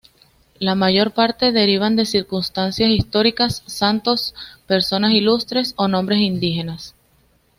La mayor parte derivan de circunstancias históricas, santos, personas ilustres o nombres indígenas.